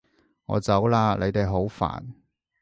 我走喇！你哋好煩